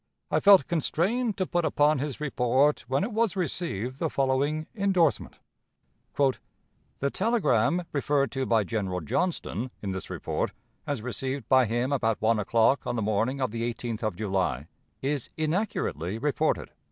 I felt constrained to put upon his report when it was received the following endorsement: "The telegram referred to by General Johnston in this report as received by him about one o'clock on the morning of the 18th of July is inaccurately reported.